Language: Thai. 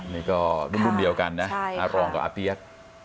นี่ก็รุ่นเดียวกันนะอารองกับอาเปี๊ยก